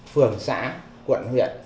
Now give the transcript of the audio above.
phường xã quận huyện